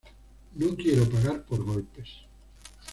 No quiero pagar por golpes.